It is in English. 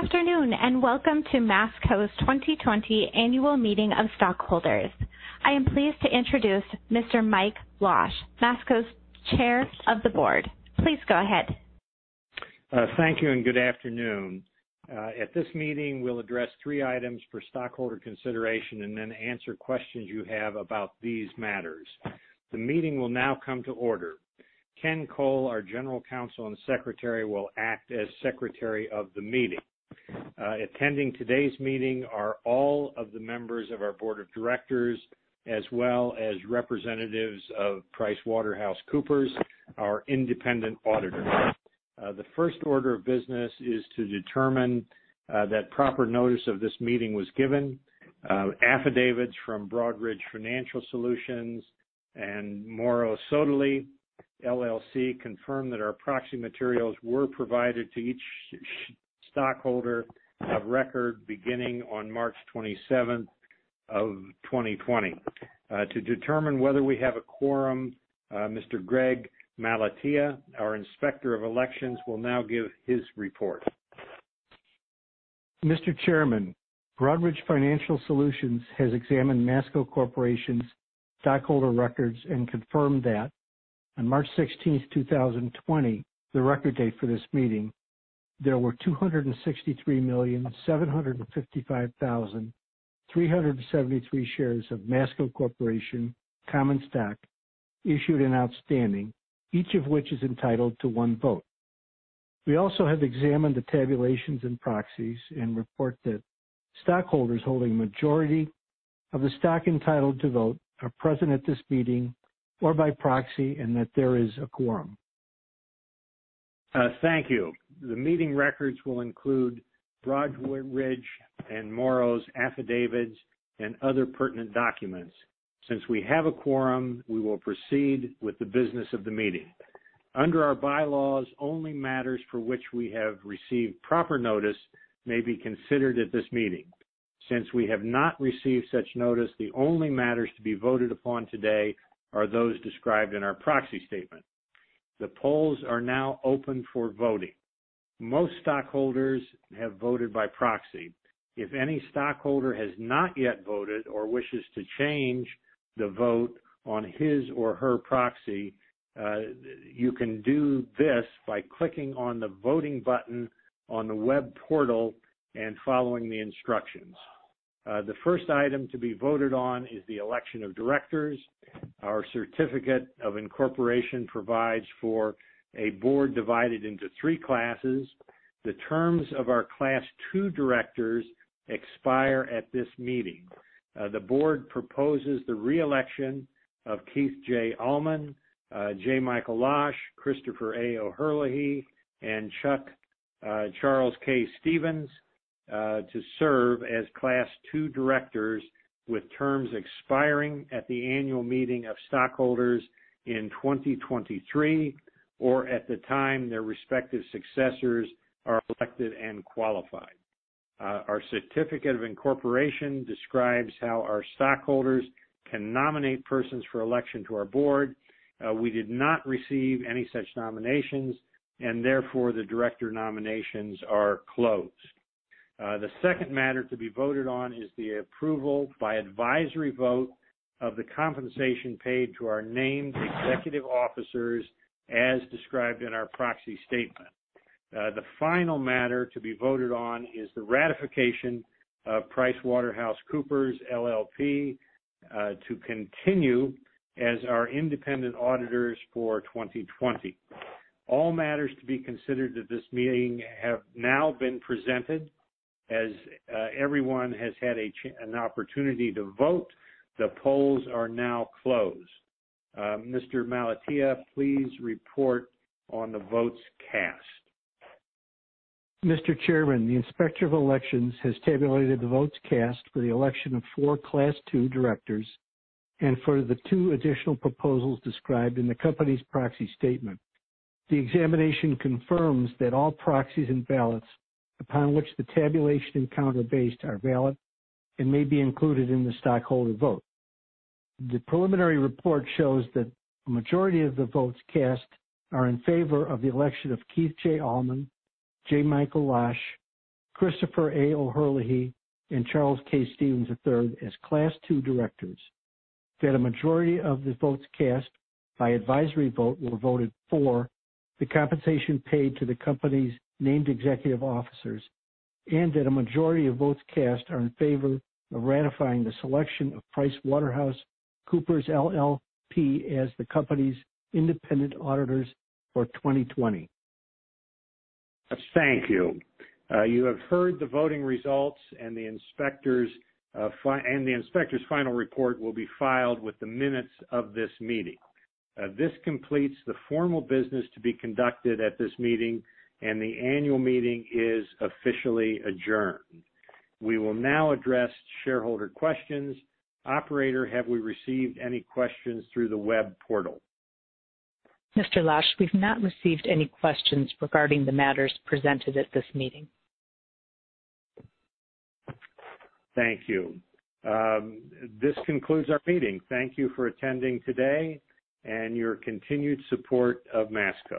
Good afternoon, and welcome to Masco's 2020 Annual Meeting of Stockholders. I am pleased to introduce Mr. Mike Losh, Masco's Chair of the Board. Please go ahead. Thank you, and good afternoon. At this meeting, we'll address three items for stockholder consideration and then answer questions you have about these matters. The meeting will now come to order. Ken Cole, our General Counsel and Secretary, will act as Secretary of the meeting. Attending today's meeting are all of the members of our Board of Directors, as well as representatives of PricewaterhouseCoopers, our independent auditor. The first order of business is to determine that proper notice of this meeting was given. Affidavits from Broadridge Financial Solutions and Morrow Sodali LLC confirm that our proxy materials were provided to each stockholder of record beginning on March 27 of 2020. To determine whether we have a quorum, Mr. Greg Malatya, our Inspector of Elections, will now give his report. Mr. Chairman, Broadridge Financial Solutions has examined Masco Corporation's stockholder records and confirmed that on March 16th, 2020, the record date for this meeting, there were 263,755,373 shares of Masco Corporation common stock issued and outstanding, each of which is entitled to one vote. We also have examined the tabulations and proxies and report that stockholders holding the majority of the stock entitled to vote are present at this meeting or by proxy and that there is a quorum. Thank you. The meeting records will include Broadridge and Morrow's affidavits and other pertinent documents. Since we have a quorum, we will proceed with the business of the meeting. Under our bylaws, only matters for which we have received proper notice may be considered at this meeting. Since we have not received such notice, the only matters to be voted upon today are those described in our proxy statement. The polls are now open for voting. Most stockholders have voted by proxy. If any stockholder has not yet voted or wishes to change the vote on his or her proxy, you can do this by clicking on the voting button on the web portal and following the instructions. The first item to be voted on is the election of directors. Our certificate of incorporation provides for a board divided into three classes. The terms of our Class II directors expire at this meeting. The board proposes the re-election of Keith J. Allman, J. Michael Losh, Christopher A. O'Herlihy, and Charles K. Stevens to serve as Class II directors with terms expiring at the annual meeting of stockholders in 2023 or at the time their respective successors are elected and qualified. Our certificate of incorporation describes how our stockholders can nominate persons for election to our board. We did not receive any such nominations, and therefore, the director nominations are closed. The second matter to be voted on is the approval by advisory vote of the compensation paid to our named executive officers as described in our proxy statement. The final matter to be voted on is the ratification of PricewaterhouseCoopers LLP to continue as our independent auditors for 2020. All matters to be considered at this meeting have now been presented. As everyone has had an opportunity to vote, the polls are now closed. Mr. Malatya, please report on the votes cast. Mr. Chairman, the Inspector of Elections has tabulated the votes cast for the election of four Class II directors and for the two additional proposals described in the company's proxy statement. The examination confirms that all proxies and ballots upon which the tabulation is based are valid and may be included in the stockholder vote. The preliminary report shows that a majority of the votes cast are in favor of the election of Keith J. Allman, J. Michael Losh, Christopher A. O'Herlihy, and Charles K. Stevens, III as Class II directors, that a majority of the votes cast by advisory vote were voted for the compensation paid to the company's named executive officers, and that a majority of votes cast are in favor of ratifying the selection of PricewaterhouseCoopers LLP as the company's independent auditors for 2020. Thank you. You have heard the voting results, and the inspector's final report will be filed with the minutes of this meeting. This completes the formal business to be conducted at this meeting, and the annual meeting is officially adjourned. We will now address shareholder questions. Operator, have we received any questions through the web portal. Mr. Losh, we've not received any questions regarding the matters presented at this meeting. Thank you. This concludes our meeting. Thank you for attending today and your continued support of Masco.